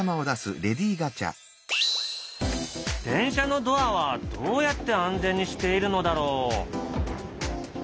電車のドアはどうやって安全にしているのだろう？